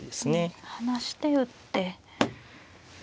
離して打って。